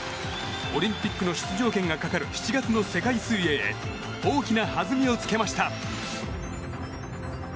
オリンピックの出場権がかかる７月の世界水泳へ大きな弾みをつけました。